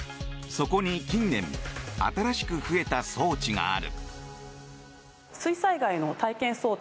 そこに近年新しく増えた装置がある。